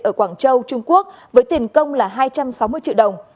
ở quảng châu trung quốc với tiền công là hai trăm sáu mươi triệu đồng